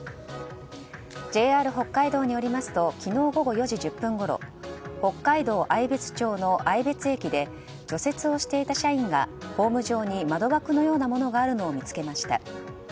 ＪＲ北海道によりますと昨日午後４時１０分ごろ北海道愛別町の愛別駅で除雪をしていた社員がホーム上に窓枠のようなものがあるのを見つけました。